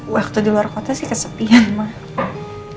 waktu di luar kota sih kesepian mah